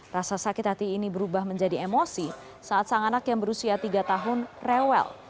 rasa sakit hati ini berubah menjadi emosi saat sang anak yang berusia tiga tahun rewel